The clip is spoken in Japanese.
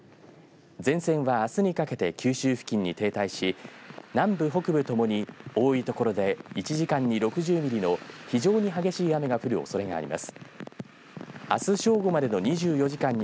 前線は、あすにかけて九州付近に停滞し南部、北部ともに多い所で１時間に６０ミリの非常に激しい雨が降るおそれがあります。